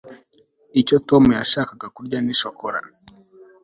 icyo tom yashakaga kurya ni shokora ya shokora